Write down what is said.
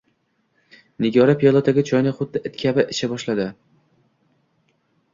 Nigora piyoladagi choyni xuddi it kabi icha boshladi.